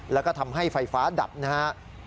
แล้วก็ทำให้ไฟฟ้าดับนะครับ